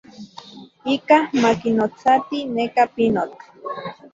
Ikaj ma kinotsati neka pinotl.